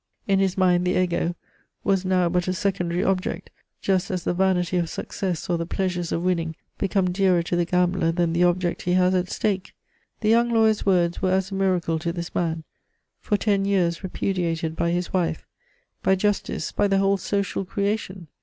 In his mind the Ego was now but a secondary object, just as the vanity of success or the pleasures of winning become dearer to the gambler than the object he has at stake. The young lawyer's words were as a miracle to this man, for ten years repudiated by his wife, by justice, by the whole social creation.